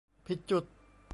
ผิดจุด